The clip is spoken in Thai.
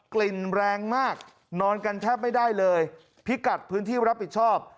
กลิ่นแรงมากนอนกันแทบไม่ได้เลยพิกัดพื้นที่รับผิดชอบ